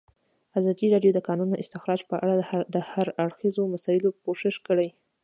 ازادي راډیو د د کانونو استخراج په اړه د هر اړخیزو مسایلو پوښښ کړی.